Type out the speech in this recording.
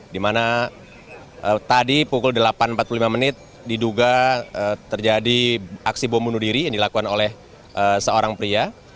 di mana tadi pukul delapan empat puluh lima menit diduga terjadi aksi bom bunuh diri yang dilakukan oleh seorang pria